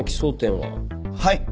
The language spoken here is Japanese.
はい。